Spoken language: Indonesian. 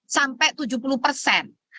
sampai tujuh puluh persen